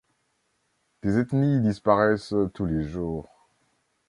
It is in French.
Des ethnies disparaissent tous les jours.